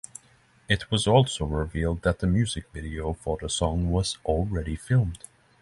It was also revealed that the music video for the song was already filmed.